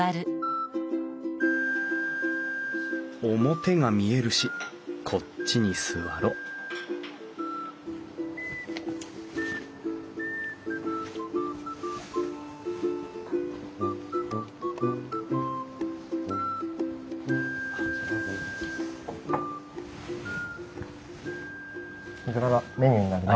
表が見えるしこっちに座ろうこちらがメニューになります。